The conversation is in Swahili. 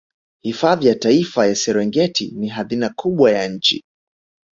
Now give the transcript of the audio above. hifadhi ya taifa ya serengeti ni hadhina kubwa ya nchi